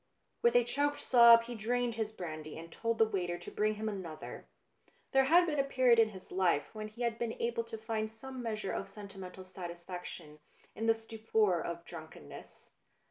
With a choked sob he drained his brandy arid told the waiter to bring him another. There had been a period in his life when he had been able to find some measure of senti mental satisfaction in the stupor of drunken ness.